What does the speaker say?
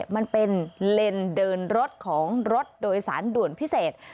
มันเป็นเลนส์เดินรถของรถโดยสารด่วนพิเศษ